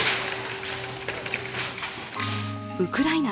ウクライナ